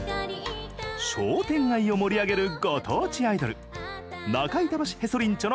商店街を盛り上げるご当地アイドル中板橋へそりんちょ！